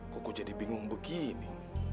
kok gue jadi bingung begini